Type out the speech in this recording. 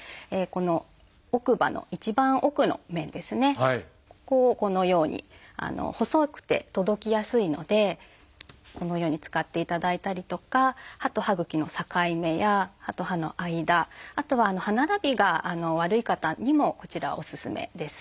ここをこのように細くて届きやすいのでこのように使っていただいたりとか歯と歯ぐきの境目や歯と歯の間。あとは歯並びが悪い方にもこちらおすすめです。